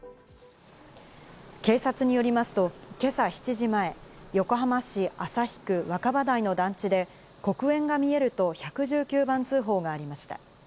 警察によりますと、けさ７時前、横浜市旭区若葉台の団地で黒煙が見えると１１９番通報がありました。